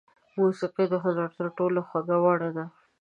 موسیقي د هنر تر ټولو خوږه بڼه ده.